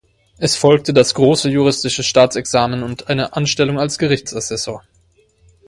Es folgte das Große juristische Staatsexamen und eine Anstellung als Gerichtsassessor.